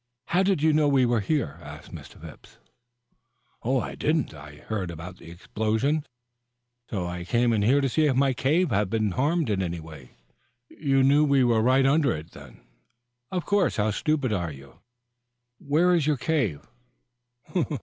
"How did you know we were here?" asked Mr. Phipps. "I didn't. I heard about the explosion, so I came in here to see if my cave had been harmed any." "You knew we were right under it, then?" "Of course. How stupid you are!" "Where is your cave?"